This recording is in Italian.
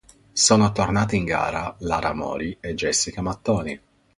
Sono tornate in gara Lara Mori e Jessica Mattoni.